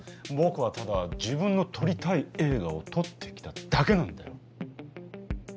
僕はただ自分の撮りたい映画を撮ってきただけなんだよ。